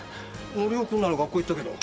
憲男君なら学校行ったけど。